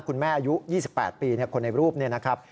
คุณแม่อายุ๒๘ปีคนในรูปนะครับ